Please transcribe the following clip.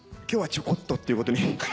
今日はチョコっとっていうことに。